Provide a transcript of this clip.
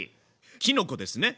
きのこですね！